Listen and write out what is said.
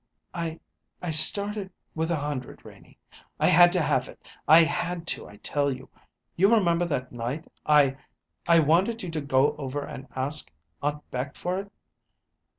"I I started with a hundred, Renie. I had to have it; I had to, I tell you. You remember that night I I wanted you to go over and ask Aunt Beck for it?